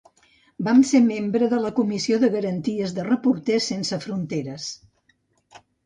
Va ser membre de la Comissió de Garanties de Reporters Sense Fronteres.